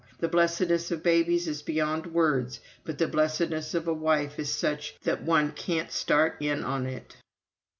The blessedness of babies is beyond words, but the blessedness of a wife is such that one can't start in on it."